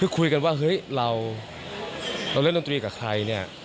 คุยกันว่าเฮ้ยเราเล่นดนตรีกับใครเนี่ย